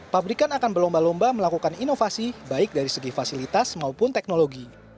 pabrikan akan berlomba lomba melakukan inovasi baik dari segi fasilitas maupun teknologi